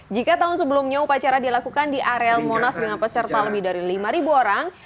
jika tahun sebelumnya upacara dilakukan di areal monas dengan peserta lebih dari lima orang